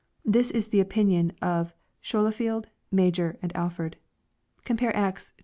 This is the opinion of Scholefield, Major, and Alford. Compare Acts xxv.